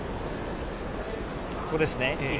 ここですね。